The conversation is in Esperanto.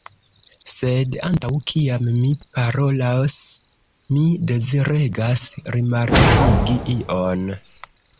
Sed antaŭ kiam mi parolos, mi deziregas rimarkigi ion.